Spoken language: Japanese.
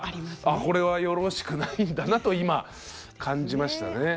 これはよろしくないんだなと今感じましたね。